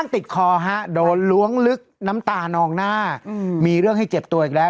ติดคอฮะโดนล้วงลึกน้ำตานองหน้ามีเรื่องให้เจ็บตัวอีกแล้ว